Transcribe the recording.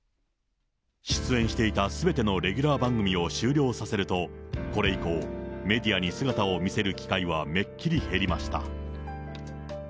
出演していたすべてのレギュラー番組を終了させると、これ以降、メディアに姿を見せる機会はめっきり減りました。